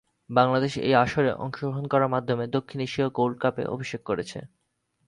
বাংলাদেশ এই আসরে অংশগ্রহণ করার মাধ্যমে দক্ষিণ এশীয় গোল্ড কাপে অভিষেক করেছে।